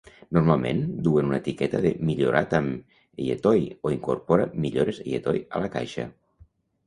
Normalment duen una etiqueta de "Millorat amb EyeToy" o "Incorpora millores EyeToy" a la caixa.